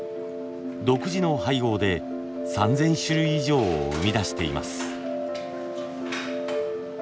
独自の配合で３，０００種類以上を生み出しています。